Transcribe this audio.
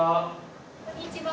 こんにちは。